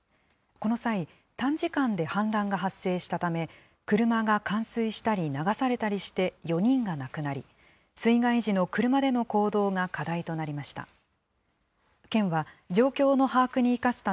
この際、短時間で氾濫が発生したため、車が冠水したり、流されたりして４人が亡くなり、水害時の車での行動が課題となりました。